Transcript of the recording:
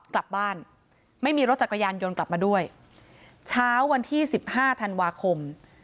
กลับบ้านไม่มีรถจักรยานยนต์กลับมาด้วยเช้าวันที่สิบห้าธันวาคม